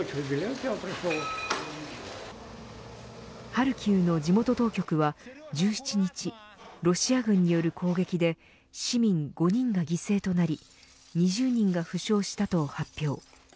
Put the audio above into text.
ハルキウの地元当局は１７日、ロシア軍による攻撃で市民５人が犠牲となり２０人が負傷したと発表。